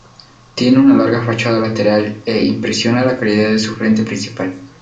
Tiene una larga fachada lateral e impresiona la calidad de su frente principal.